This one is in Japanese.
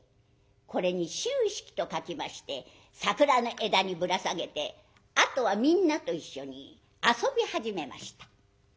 これに「秋色」と書きまして桜の枝にぶら下げてあとはみんなと一緒に遊び始めました。